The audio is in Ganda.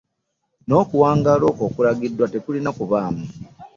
N'okuwangaala okwo okulagiddwa tekulina kubaamu.